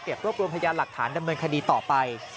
รวบรวมพยานหลักฐานดำเนินคดีต่อไป